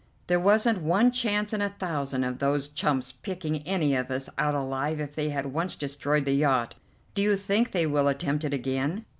"There wasn't one chance in a thousand of those chumps picking any of us out alive if they had once destroyed the yacht. Do you think they will attempt it again?"